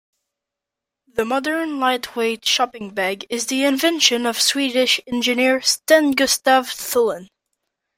The modern lightweight shopping bag is the invention of Swedish engineer Sten Gustaf Thulin.